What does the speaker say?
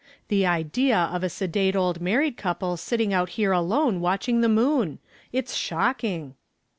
The idea of a sedate old married couple sitting out here alone watching the moon! It's shocking."